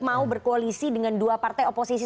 mau berkoalisi dengan dua partai oposisi